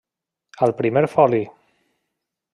Al Primer Foli.